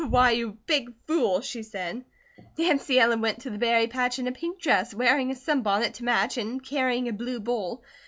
"Why, you big fool!" she said. "Nancy Ellen went to the berry patch in a pink dress, wearing a sunbonnet to match, and carrying a blue bowl.